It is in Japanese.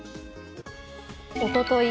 おととい